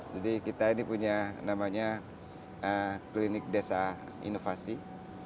jadi kita ini punya namanya klinik desa innovation